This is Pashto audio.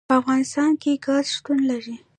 په افغانستان کې ګاز شتون لري.